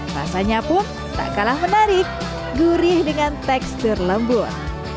rasanya pun tak kalah menarik gurih dengan tekstur lembut